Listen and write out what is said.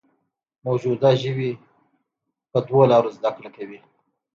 موجوده ژوي په دوو لارو زده کړه کوي.